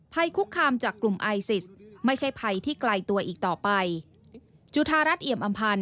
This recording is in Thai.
ภัยคุกคามจากกลุ่มไอศิษฐ์ไม่ใช่ภัยที่ไกลตัวอีกต่อไป